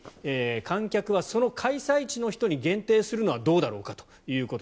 観客はその開催地の人に限定するのはどうだろうかと。